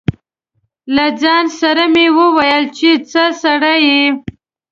له ځان سره مې و ویل چې ځه سړیه.